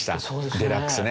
「デラックス」ね。